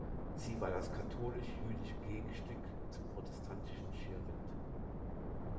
Sie war das katholisch-jüdische Gegenstück zum protestantischen Schirwindt.